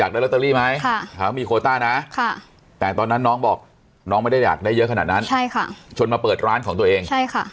ได้เยอะขนาดนั้นใช่ค่ะจนมาเปิดร้านของตัวเองใช่ค่ะ